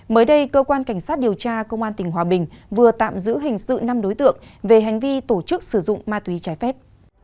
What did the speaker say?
mới đây cơ quan cảnh sát điều tra công an tỉnh hòa bình vừa tạm giữ hình sự năm đối tượng về hành vi tổ chức sử dụng ma túy trái phép